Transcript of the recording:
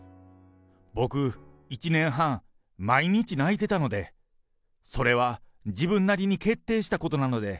僕、１年半、毎日泣いてたので、それは自分なりに決定したことなので。